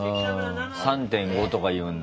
３．５とかいうんだ。